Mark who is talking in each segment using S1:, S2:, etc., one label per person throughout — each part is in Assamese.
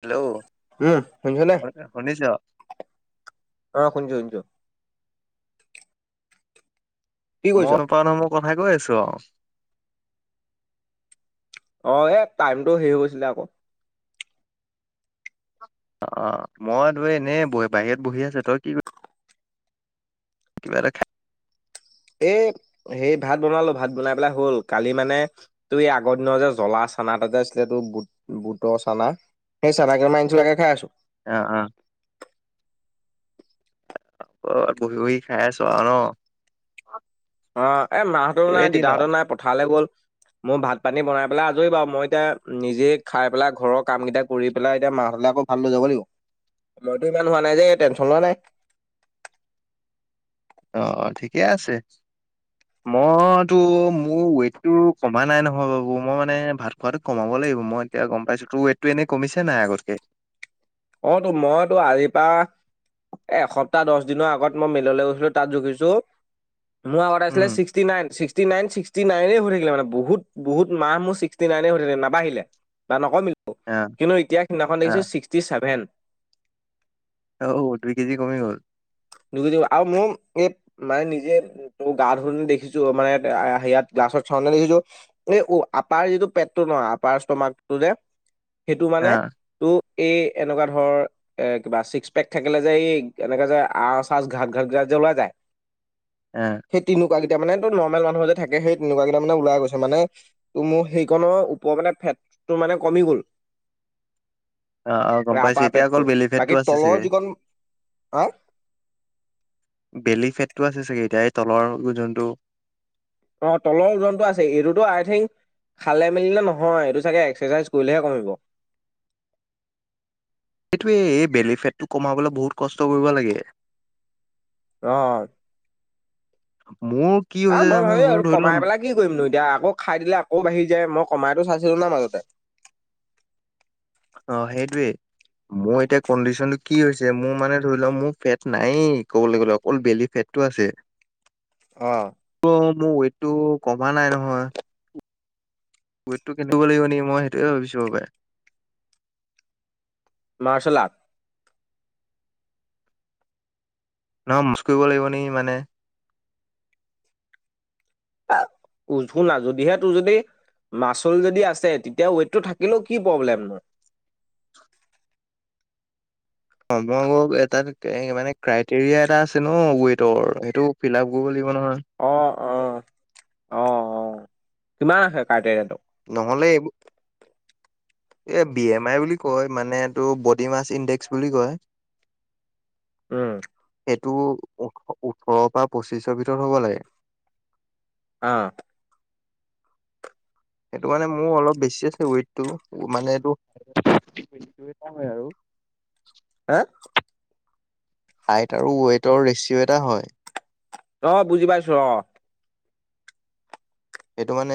S1: হেল্ল'
S2: উম শুনিছনে?
S1: হৰকে শুনিছ?
S2: অ শুনিছোঁ শুনিছোঁ। কি কৰিছ?
S1: মই ধূপাতসমুহ কথাই কৈ আছো আও।
S2: অ এক টাইমটো হেৰি হৈ গৈছিলে আক।
S1: অ অ মই তুমি এনেই বহিপ বাহিৰত বহি আছোঁ তই কি কৰি কিবা এটা খাই
S2: এ সেই ভাত বনালো, ভাত বনাই পেলাই হ'ল কালি মানে তুমি আগৰ দিনৰ যে জ্বলা চানা এটা যে আছিলে টো বুট বুটৰ চানা। সে চানা কেইটামান আনিছিলো, তাকে খাই আছোঁ।
S1: আ আহ। ক'ৰবাত বহি বহি খাই আছো আও ন।
S2: অ এ মাহঁতৰো
S1: তোৰে
S2: নাই
S1: দিন আৰু
S2: দিতাহঁতৰো নাই পথাৰলে গ'ল। মো ভাত পানী বনাই পেলাই আজৰি বাও, মই এতিয়া নিজে খাই পেলাই ঘৰৰ কাম কেইটা কৰি পেলাই এতিয়া মাঁহতলে আকৌ ভাত লৈ যাব। মইতো ইমান হোৱা নাই যে টেনশন লোৱা নাই।
S1: অ ঠিকে আছে। মইতো মোৰ ৱেইট টো কমা নাই নহয় বাবু মই মানে ভাত খোৱাটো কমাব লাগিব। মই এতিয়া গম পাইছো, তোৰ ৱেটটো এনে কমিছে নাই আগতকে?
S2: অ তো মইতো আজি পা এ এসপ্তাহ দহ দিনৰ আগত মই মেইললে গৈছিলো তাত জুখিছো মোৰ আগতে আছিলে
S1: উম
S2: ছিক্সটি নাইন, ছিক্সটি নাইন ছি- ছিক্সটি নাইনে হৈ থাকে মানে বহুত বহুত মাহ মোৰ ছিক্সটি নাইনে হৈ থাকিলে নাবাঢ়িলে বা নকম-
S1: অ
S2: কিন্তু এতিয়া সিদিনাখন দেখিছো ছিক্সটি ছেভেন।
S1: অও দুই কেজি কমি গ'ল।
S2: দুই কেজি আও মোম এপ মানে নিজে গা ধুতে দেখিছো মানে আয়া সেয়াত গাছত চাউতে দেখিছোঁ এ অ আপাৰ যিটো পেটটো নহ আপাৰ ষ্টমাকটো যে সেইটো
S1: অ
S2: মানে টো এ এনেকুৱা ধৰ এ কিবা ছিক্স পেক থাকিলে যে এই এনেকা যে আচ চাচ ঘাট ঘাট ঘিলা ওলাই যায়।
S1: এ।
S2: সেই তেনেকুৱা গিতা মানে তো নৰ্মেল মানুহৰ যে থাকে সেই তেনেকুৱা কেইটামানে ওলাই গৈছে মানে তো মো সেইকন ওপৰৰ মানে ফেটটো মানে কমি গ'ল।
S1: অ অ গম পাইছো
S2: আপাৰ
S1: এতিয়া অকল
S2: পেটটো
S1: বেলিফেটটো
S2: বাকী
S1: আছে
S2: তলৰ
S1: চাগে?
S2: যিকণ হা
S1: বেলি ফেটটো আছে চাগে এতিয়া এই তলৰ যোনটো
S2: অ তলৰ ওজনটো আছে এইটোতো আই থিংক খালে মেলি নে নহয় এইটো চাগে এক্সাৰচাইজ কৰিলেহে কমিব।
S1: এইটোয়ে এই বেলি ফেটটো কমাবলৈ বহুত কষ্ট কৰিব লাগে!
S2: অ
S1: মোৰ কি
S2: আহ
S1: হৈছে
S2: মই
S1: জানো
S2: ভাবি
S1: মোৰ
S2: আৰু
S1: ধৰি লম
S2: কমাই পেলাই কি কৰিম নো এতিয়া আকৌ খাই দিলে আকৌ বাঢ়ি যায়। মই কমাইতো চাইছিলো না মাজতে।
S1: অ সেইটোৱে মোৰ এতিয়া কণ্ডিশনটো কি হৈছে মোৰ মানে ধৰি লওক মোৰ ফেট নাই ক'বলৈ গ'লে অকল বেলি ফেট আছে।
S2: অ
S1: অ মোৰ ৱটটো কমা নাই নহয় [unintelligible] নেকি লাগিবে মইয়ে ভাবি চো পাই!
S2: মাৰ্ল আৰ্ট।
S1: নহয় মুসকৰিব লাগিব নি মানে
S2: শুনা যদিহে তোৰ যদি মাচুল যদি আছে তেতিয়া ৱেইটটো থাকিলেও কি প্ৰব্লেম?
S1: অ মই এাত মানে ক্ৰাইটেৰিয়া এটা আছে ন ৱেটৰ সেইটো ফিল আপ কৰিব লাগিব নহয়।
S2: অ অ অ অ কিমান আহে ক্ৰাইটেৰিয়াটো?
S1: নহ'লে এ বি এম আই বুলি কয় মানে এই তটো বডি মাছ ইণ্ডেক্স বুলি কয়।
S2: উম
S1: সেইটো ও ওঠৰৰ পৰা পঁচিশৰ ভিতৰত হ'ব লাগে।
S2: অ
S1: সেইটো কাৰানে মোৰ অলপ বেছি আছে ৱেইটটো মানে এই
S2: হা
S1: হাইট আৰু ৱটৰ ৰেচিঅ' এটা হয়।
S2: অ বুজি পাইছো অ।
S1: এইটো মানে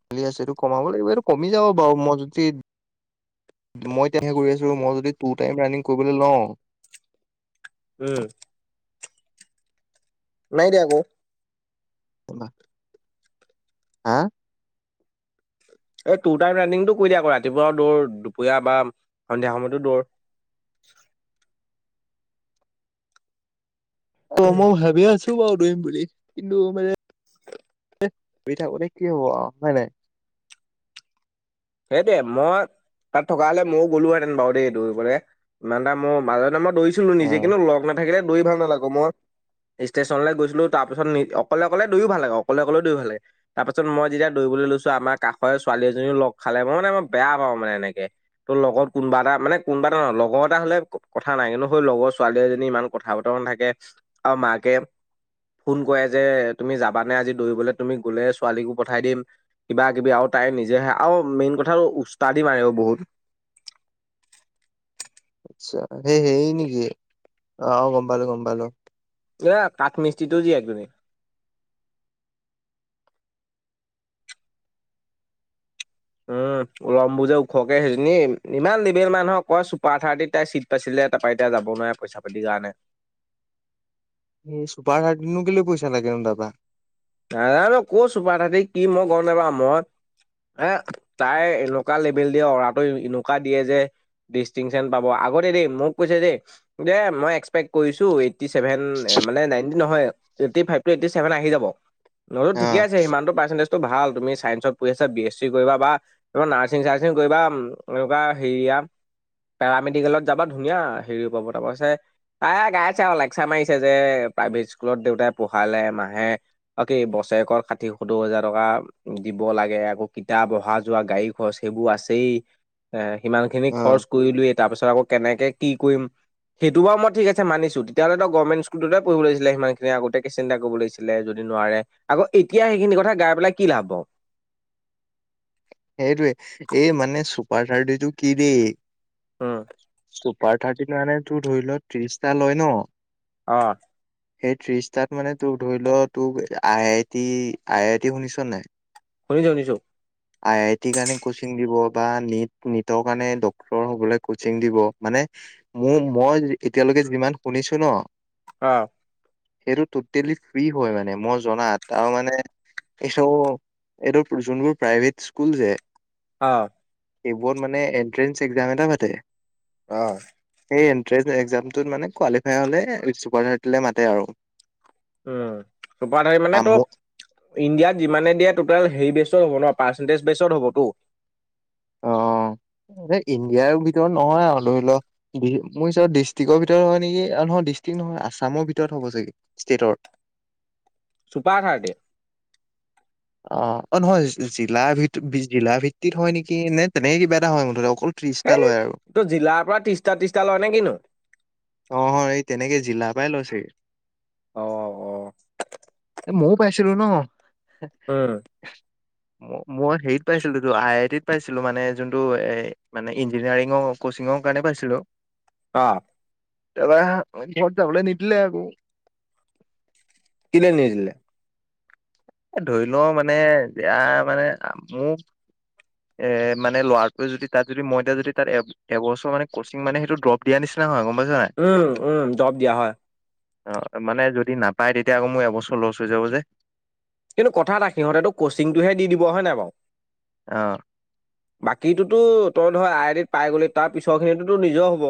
S1: মালি আছে এইটো কমাব লাগিব এইটো কমি যাব বাৰু মই যদি মই এতিয়াাহে কৰি আছো মই যদি টু টাইপ ৰাণিং কৰিবলৈ লওঁ
S2: উম নাই দিয়াক'।
S1: [inaudible] হা
S2: এই টু টাইম ৰুনিং কৰি দিয়া আকৌ ৰাতিপুৱাও দৌৰ দুপৰীয়া বা সন্ধিয়া সময়তো দৌৰ।
S1: [unintelligible] হেবি আছে থবাও ধৰিম বুলি কিন্তু মানেই থাকোতে কি হব হয় নাই?
S2: সেইটে মই তাত থকা হ'লে ময়ো গ'লো হেঁতেন বাৰু দেইটোৰি পৰে ইমান এটা মোৰ মাজতে মই দৌৰিছিলো
S1: অ
S2: নিজে কিন্তু লগ নাথাকিলে দৌৰি ভাল নালাগো মই ষ্টেশচনলৈ গৈছিলো তাৰ পিছত অকলে অকলে দুয়ো ভাল লাগে অকলে অকলে দুয়ো ভাল লাগে। তাৰপাছত মই যেতিয়া দৌৰিবলৈ লৈছো আমাৰ কাষৰ ছোৱাল এজনীও লগ খালে মই মানে বেয়া পাওঁ মানে এনেকে! ত' লগত কোনোবা এটা মানে কোনোবা এটা নহয় লগৰ এটা হলে কথা নাই কিন্তু সেই লগৰ ছোৱালী এজনী ইমান কথা বতৰা নাথাকে আৰু মাকে ফোন কৰে যে তুমি যাবানে আজি দৌৰিবলৈ? তুমি গ'লে ছোৱালীটো পঠাই দিম। কিবা কিবি আৰু তাই নিজে আৰু মেইন কথাটো হল, উস্তাদি মাৰে আৰু বহুত।
S1: আচ্ছা সেই সেই নেকি অ অ গম পালো গম পালো।
S2: এ কাঠমিস্তিটো জীয়েক এইজনী। উম লম্বু যে, ওখকে সেইজনী, ইমান লেবেল মানুহক কয়, চুপাৰ থাৰ্টিত তাই চিট। আছিলে, তাৰ পৰা এতিয়া, যাব নোৱাৰে পইচা পাতিৰ কাৰণে।
S1: এই চুপাৰ থাৰ্টিতনো, কেলে কৈছে নো তাৰ‌পৰা।
S2: নাজানো কৰ চুপাৰ থাৰ্টি, কি মই গম নাপাও, মই। অ' তাই এনেকুৱা লেভেল দিয়ে, অৰাটো এনেকুৱা দিয়ে যে - ডিষ্টিংচন পাব, আগতে দেই, মোক কৈছে, যে - দে মই এক্সপেক্ট কৰিছো, এইটটি ছেভেন মানে, নাইনটি নহয়। এইটটি ফাইভ, এইটটি চেভেনটো আহি যাব, নহয়তো
S1: অ
S2: ঠিকেই আছে সিমানটো পাৰ্চেণ্টেজ। টো, ভাল তুমি, চাইন্ঞ্চত পঢ়িছা, বি এছ চি কৰিবা বা। ত' নাৰ্ছিং চাচিং কৰিবা, এনেকুৱা হেৰিয়া। পেৰামেডিকেলত যাবা ধুনীয়া হেৰিও পাবা তাৰ পিছত। তাই গাইছে আৰু লেকচাৰ মাৰিছে যে প্ৰাইভেট স্কুলত দেউতাই পঢ়ালে মাহে। আৰু কি এই বছৰেকৰ ষাঠি-সত্তৰ হাজাৰ টকা। দিব লাগে আকৌ কিতাপ অহা যোৱা গাড়ী খৰচ সেইবোৰ আছেই। এ' সিমান খিনি
S1: অ
S2: খৰচ কৰিলৈয় তাৰ পিছত আকৌ কেনেকে কি কৰিম? সেইটো বাৰু মই ঠিকেই মানিছোঁ তেতিয়া হ'লে তই গভৰ্ণমেণ্ট স্কুলতে পঢ়িব লাগিছিল। সেইবোৰ কথা আগতেই ভাবিব লাগিছিল। যদি নোৱাৰে আকৌ এতিয়া সেইখিনি কথা গাই পেলাই কি লাভ হ'ব।
S1: সেইটোৱে এই মানে চুপাৰ থাৰ্টিটো কি দেই?
S2: উম।
S1: চুপাৰ থাৰ্টি মানে তোৰ ধৰি ল ত্ৰিশটা লয় ন।
S2: অ।
S1: সেই ত্ৰিশ তাত মানে তোৰ ধৰি ল তোক I I T I I T শুনিছ নে নাই?
S2: শুনিছো শুনিছো।
S1: আই আই টিৰ কাৰণে ক্ৰছিং দিব বা নিট নিটৰ কাৰণে ডক্টৰ হবলৈ ক্ৰছিং দিব মানে- মোৰ মই জ এতিয়ালৈকে যিমান শুনিছো ন।
S2: অ‌।
S1: সেইটো টোটেলি ফ্ৰী হয় মানে মই জনাত তাৰ মানে- এই চব, এইটো যোনবোৰ প্ৰাইভেট স্কুল যে-
S2: অ।
S1: এইবোৰত মানে এনট্ৰেন্স এক্সাম এটা পাতে।
S2: অ।
S1: সেই এনট্ৰেঞ্চ এক্সামটোত মানে কোৱালিফাই হ'লে ছুপাৰ থাৰ্টিলে মাতে আৰু।
S2: উম চুপাৰ থাৰ্টি মানে তো।
S1: আমু
S2: ইণ্ডিয়াত যিমানে দিয়ে টোটেল হেৰি বেচত হ'ব ন, পাৰ্চেণ্টটেজ বেচত হ'বতো।
S1: অ এ ইণ্ডিয়াৰ ভিতৰত নহয় আৰু, ধৰি ল। মোৰ চাগে ডিষ্ট্ৰিকৰ ভিতৰত হয় নেকি, অ নহয় ডিষ্ট্ৰিক নহয় আছামৰ ভিতৰত হ'ব চাগে, ষ্টেটৰ।
S2: Super thirty.
S1: অ, অ নহয় জিলা ভিত জিলা ভিত্তিত হয় নেকি? নে তেনেকে কিবা এটা হয় মুঠতে অকল। ত্ৰিশটা
S2: এই
S1: লয় আৰু-
S2: ত' জিলাৰপৰা ত্ৰিশটা ত্ৰিশটা লয় নে কিনো?
S1: অ হয় এই তেনেকে জিলাৰ পায় লৈছে চাগে।
S2: অ, অ।
S1: এ ময়ো পাইছিলো ন
S2: উম।
S1: এহ ম মই হেৰিত পাইছিলোটো, আই আই টিত পাইছিলো। মানে যোনটো এ মানে ইঞ্জিনিয়াৰিঙ- কচিঙৰ কাৰণে পাইছিলোঁ।
S2: অ
S1: তাবাহ [unintelligible] যাবলে নিদিলে আকৌ।
S2: কেলেই নিদিলে?
S1: এ ধৰি লও মানে এয়া মানে মোক এ মানে ল'ৰাটোৱে যদি তাত যদি মই এতিয়া যদি তাত এপ- এবছৰ মানে কচিং মানে সেটো জব দিয়া নিচিনা হয় গম পাইছ নাই
S2: উম উম জব দিয়া হয়।
S1: অ মানে যদি নাপায় তেতিয়া আকৌ মো এবছৰ লছ হৈ যাব যে
S2: কিন্তু কথা এটা সিহঁতেতো কচিংটোহে দি দিব হয় নাই বাৰু।
S1: অ
S2: বাকীতোতো তই ধৰ আই আই ডিত পাই গলি তাৰ পিছৰ খিনিতোতো নিজৰ হ'ব।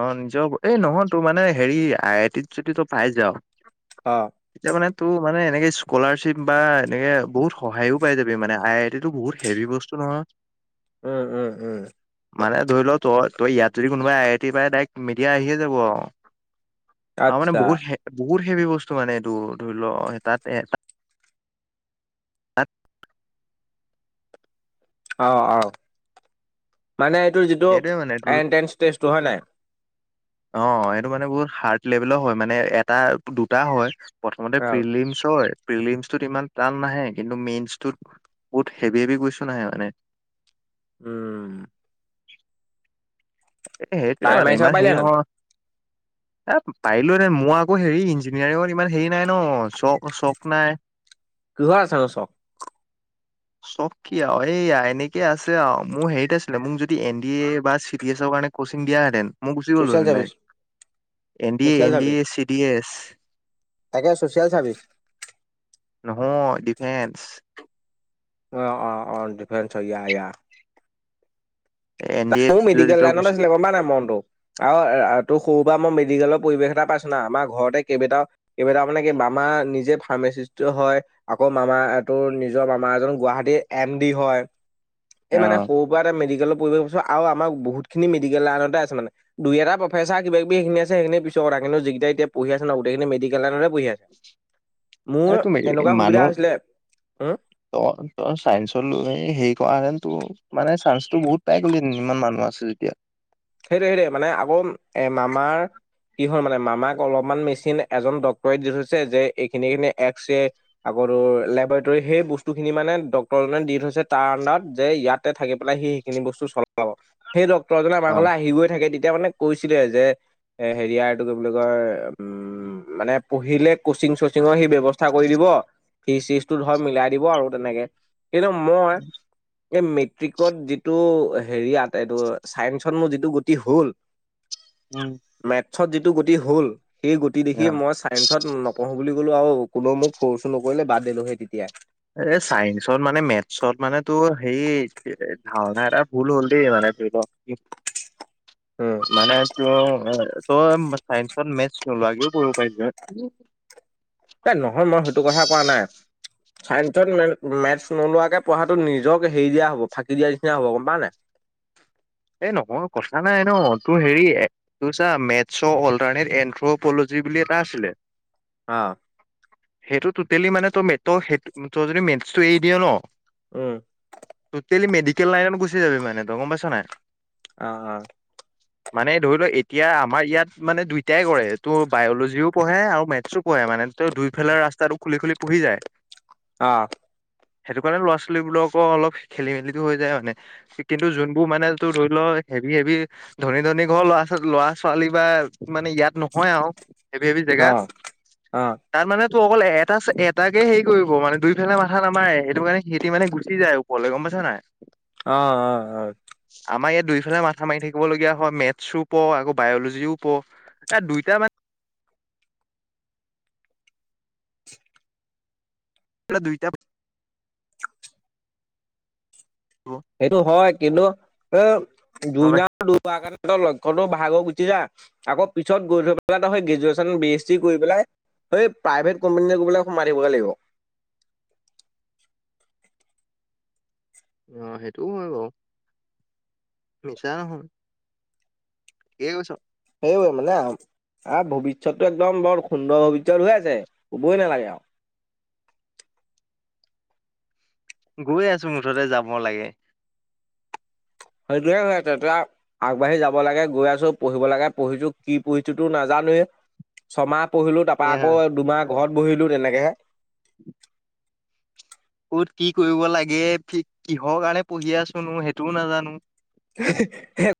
S1: অ নিজৰ হ'ব এই নহয় তোৰ মানে হেৰি আইটিত যদি তই পাই যাওঁ
S2: অ
S1: এতিয়া মানে তো মানে এনেকে স্কলাৰশ্বিপ বা এনেকে বহুত সহায়য়ো পাই যাবি মানে আই আই টি তো বহুত হেভি বস্তু নহয়
S2: উম উম উম
S1: মানে ধৰি লও তই তই ইয়াত যদি কোনোবাই আই আই টি পাই ডাইৰেক্ট মিডিয়া আহিয়ে যাব আৰু। আৰু মানে
S2: আচ্ছা
S1: বহুত হে বহুত হেভি বস্তু মানে এইটো ধৰি লও সে তাত এ তাত তাত
S2: অ অ মানে এইটো যিটো
S1: এইটোৱে মানে তোৰ
S2: এনট্ৰেঞ্চ টেষ্টটো হয় নাই
S1: অ এইটো মানে বহুত হাৰ্ড লেভেলৰ হয় মানে এটা দুটা হয়। প্ৰথমতে
S2: অ
S1: প্ৰিলিমছ হয় প্ৰিলিমছটোত ইমান টান নাহে কিন্তু মেইনচটোত বহুত হেভি হেভি কোৱেশ্যন আহে মানে
S2: উম
S1: এ সেইটোৱে
S2: ট্ৰাই
S1: মানে
S2: মাৰি চাব
S1: ইমান হেৰি
S2: পাৰিলেহেঁতেন
S1: নহয় এ পাৰিলো হেঁতেন মোৰ আকৌ হেৰি ইঞ্জিনিয়াৰিঙত ইমান হেৰি নাই ন চ চক নাই [inaudible]
S2: কিহৰ আছে নো চক
S1: [inaudible] চব কি আৰু এইয়া এনেকে আছে আৰু মোৰ হেৰিত আছিলে মোক যদি এন ডি এৰি বা চিত ডি এছৰ কাৰণে ক্ৰছিং দিয়া হেঁতেন মই গুচি গলো
S2: চচিয়েল
S1: হেতেন
S2: service
S1: direct N D A
S2: social
S1: N
S2: service
S1: D A চিত ডি এ এছ
S2: তাকে ছচিয়েল চাৰ্ভিচ
S1: নহয় ডিফেঞ্চ
S2: অঁ অঁ অঁ ডিফেঞ্চ অ ইয়া ইয়া
S1: এন
S2: তা
S1: ডি এত
S2: মোৰ
S1: যদি
S2: মেডিকেল
S1: তই
S2: লাইনত
S1: গুচি
S2: আছিলে গম পা নাই মনটো আৰু আ তোৰ সৰু পৰা মই মেডিকেলৰ পৰিৱেশ এটা পাইছো না আমাৰ ঘৰতে কেইবেটাও কেইবেটাও মানে কি মামা নিজে ফাৰ্মেচিষ্টতো হয় আকৌ মামা তোৰ নিজৰ মামা এজনো গুৱাহাটী এম ডি হয়। এই
S1: অ
S2: মানে সৰুৰ পৰা এটা মেডিকেলৰ পৰিৱেশ পাইছো আৰু আমাৰ বহুতখিনি মেডিকেল লাইনতে আছে মানে। দুই এটা প্ৰফেচাৰ কিবা কিবি সেখিনি আছে, সেইখিনি পিছৰ কথা। কিন্তু জিকিতা এতিয়া পঢ়ি আছে নহ গোটেইখিনি মেডিকেল লাইনতে পঢি আছে। মোৰ
S1: আৰু তুমি
S2: তেনেকুৱা সুবিধা হৈছিলে, উম
S1: অহ, অহ চাইন্সত লৈ হেৰি কৰা হেতেন তোৰ মানে চান্সটো বহুত পাই গলি, ইমান মানুহ আছে যেতিয়া
S2: সেইটোৱে সেইটোৱে মানে আকৌ এ মামাৰ কি হ'ল মানে মামাক অলপমান মেচিন এজন ডক্তৰে দি থৈছে, যে এইখিনি খিনি এক্সৰে আকৌ তোৰ লেবৰটেৰী সেই বস্তু খিনি মানে ডক্তৰজনে দি থৈছে, তাৰ আনডাৰত যে ইয়াতে থাকি পেলাই সি সেখিনি বস্তু চলাব, সেই ডক্তৰজনে আমাৰ
S1: অ
S2: ঘৰলে আহি গৈ থাকে। তেতিয়া মানে কৈছিলে যে এ হেৰিয়াৰটো কি বুলি কয়, উম উম, মানে পঢ়িলে কচিং চচিঙৰ সি ব্যৱস্থা কৰি দিব। ফিজ চিজটো ধৰ মিলাই দিব আৰু তেনেকে কিন্তু মই, এই মেট্ৰিকত যিটো হেৰিয়াত এইটো চাইন্স তাত মোৰ যিটো গতি হল
S1: উম
S2: মেথচত যিটো গতি হ'ল, সেই গতি দেখি
S1: অ
S2: মই মেথচত নপঢ়ো বুলি কলো আৰু কোনেও মোক ফৰ্চোও নকৰিলে বাদ দিলো হে তেতিয়াই
S1: এই চাইন্সত মানে মেথছত মানে তোৰ হেৰি, ধাৰণা এটা ভুল হ'ল দেই, আৰু এপ্ৰিলত
S2: উম
S1: মানে তোৰ, তই চাইন্সত মেথ লাগিও কৰিব পাৰিলি হয়।
S2: এই নহয়, মই সেইটো কথা কোৱা নাই। চাইন্সত মে মেথছ নোলোৱাকে পঢ়াটো নিজক হেৰি দিয়া হব, ফাঁকি দিয়া নিচিনা হ'ব, গম পাৱ নাই।
S1: এ নহয় কথা নাই নহ, তোৰ হেৰি তোৰ চা মেথছৰ অল্টাৰনেট এনথ্ৰপলজি বুলি এটা আছিলে।
S2: আ
S1: সেইটোতো টুটেলি মানে তোৰ মেটৰ সে, ‌ তই যদি মেথছটো এৰি দিয় নহ
S2: উম
S1: তোটেলি মেডিকেল লাইনত গুচি যাবি মানে তই গম পাইছ নাই।
S2: অহ, অহ
S1: মানে ধৰি লোৱা, এতিয়া আমাৰ ইয়াত মানে দুইটাই কৰে তো বায়লজিও পঢ়ে আৰু মেথছো পঢ়ে মানে, দুইফালৰ ৰাস্তাটো খুলি খুলি পঢ়ি যায়।
S2: অহ
S1: সেইটো কাৰণে ল'ৰা ছোৱালীবোৰকো অলপ খেলি মেলি হৈ যায় মানে, কিন্তু যোনবোৰ মানে তোৰ ধৰি ল‌ হেভী হেভী ধনী ধনী ঘৰৰ লৰা ছোৱালী, ল'ৰা ছোৱালী বা মানে ইয়াত নহয় আৰু হেভী হেভী‌
S2: অ
S1: জেগাত
S2: অ অ
S1: তাত মানে তোৰ অকল এটা এটাকে হেৰি কৰিব, মানে দুইফালে মাথা নামাৰে, সেইটো কাৰণে সিহতি মানে গুচি যায়। কলে, গম পাইছা নাই
S2: অহ, অহ, হয়।
S1: আমাৰ ইয়াত দুইফালে মাথা মাৰি থাকিব লগীয়া হয়। মেথছো পঢ় আকৌ বায়লজিও পঢ় এহ দুইটাই মান এফালে দুইটা পঢ়িব
S2: সেইটো হয়, কিন্তু এই দুইনা দুবাৰ লক্ষ্ণটো ভাগৰ গুচি যায়। আকৌ পিছত গৈ থৈ পেলাই তাৰ পিছত সেই গ্ৰেজুৱেশ্যন বি এছ ডি কৰি পেলাই এই প্ৰাইভেট কোম্পানী বিলাকত সোমাই থাকিব লাগিব।
S1: অ', সেইটোও হয় বাৰু মিছা নহৈ ঠিকে কৈছ।
S2: সেই মানে ভৱিষ্যতটো একদম বৰ সুন্দৰ ভৱিষ্যত ওলাইছে ক'বই নালাগে আৰু
S1: গৈ আছো মুঠতে যাব লাগে।
S2: স দুয়ে হৈ আছে ত [inaudible] আগবাঢ়ি যাব লাগে গৈ আছো পঢ়িব লাগে পঢ়িছো কি পঢ়িছো তো নাজানোৱেই ছমাহ পঢ়িলো তাৰ পৰা
S1: এয়া
S2: আকৌ দুমাহ ঘৰত বহিলো তেনেকেহে
S1: [inaudible] ক'ত কি কৰিব লাগে কিহৰ কাৰণে পঢ়ি আছোনো সেইটোও নাজানো।
S2: [inaudible]